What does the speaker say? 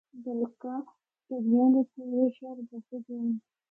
بلکہ جُھگیاں دے پورے شہر بَسّے دے ہن۔